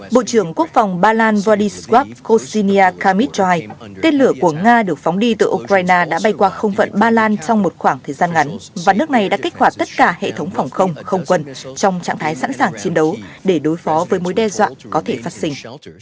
bộ trưởng quốc phòng ba lan wladyslaw kosynia kamichai tiên lửa của nga được phóng đi từ ukraine đã bay qua không phận ba lan trong một khoảng thời gian ngắn và nước này đã kết quả tất cả hệ thống phòng không không quân trong trạng thái sẵn sàng chiến đấu để đối phó với mối đe dọa có thể phát sinh